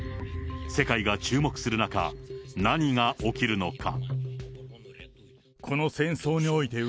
世界が注目する中、何が起きるのか。